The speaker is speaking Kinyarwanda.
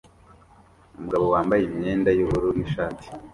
Umugabo wambaye imyenda yubururu nishati